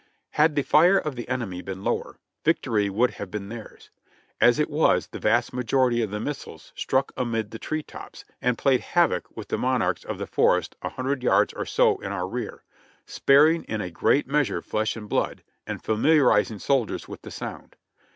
Had the fire of the enemy been lower, victory would have been theirs. As it was, the vast majority of the missiles struck amid the tree tops, and played havoc with the monarchs of the forest a hundred yards or so in our rear, sparing in a great meas ure flesh and blood, and familiarizing soldiers with the sound.